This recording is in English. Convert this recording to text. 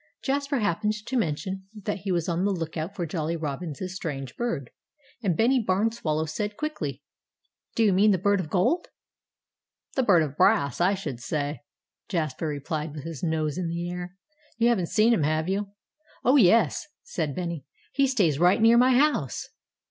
Jasper happened to mention that he was on the lookout for Jolly Robin's strange bird; and Bennie Barn Swallow said quickly: "Do you mean the bird of gold?" "The bird of brass, I should say!" Jasper replied, with his nose in the air. "You haven't seen him, have you?" "Why, yes!" said Bennie. "He stays right near my house."